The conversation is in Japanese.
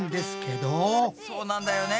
そうなんだよね。